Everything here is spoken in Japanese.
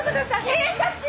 警察！